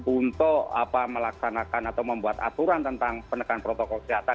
untuk melaksanakan atau membuat aturan tentang penekan protokol kesehatan